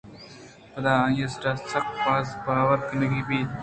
پدا آئی ءِ سرا سک باز باور کنگ بیت